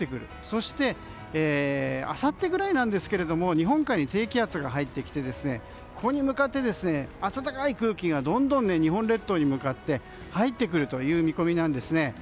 そしてあさってぐらいですが日本海に低気圧が入ってきて、ここに向かって暖かい空気がどんどん日本列島に向かって入ってくるという見込みなんですね。